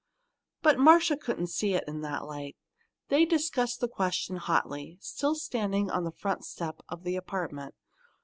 But Marcia couldn't see it in that light. They discussed the question hotly, still standing on the front stoop of the apartment.